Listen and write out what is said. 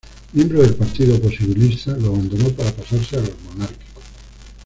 Miembro del Partido Posibilista, lo abandonó para pasarse a los monárquicos.